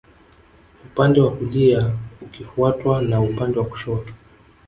Upande wa kulia ukifuatwa na upande wa kushoto